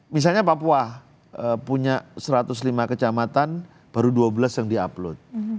misalnya papua punya satu ratus lima kecamatan baru dua belas yang di upload